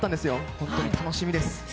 本当に楽しみです。